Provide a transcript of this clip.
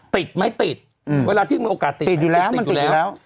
ติดไหมติดเวลาที่มีโอกาสติดติดอยู่แล้ว